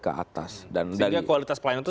ke atas dan sehingga kualitas pelayanan itu